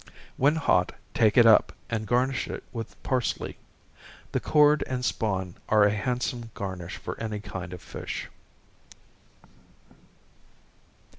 When hot, take it up, and garnish it with parsely. The chord and spawn are a handsome garnish for any kind of fish.